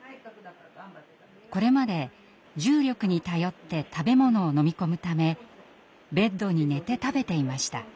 これまで重力に頼って食べ物を飲み込むためベッドに寝て食べていました。